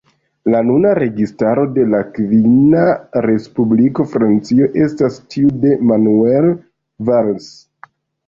La nuna registaro de la kvina Respubliko Francio estas tiu de Manuel Valls.